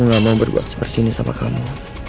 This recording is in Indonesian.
gak mau berbuat seperti ini sama kamu